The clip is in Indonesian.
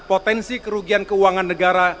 potensi kerugian keuangan negara